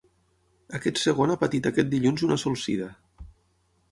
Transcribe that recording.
Aquest segon ha patit aquest dilluns una solsida.